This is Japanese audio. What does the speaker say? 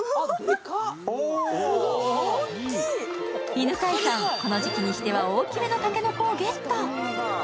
犬飼さん、この時期にしては大きめの竹の子をゲット。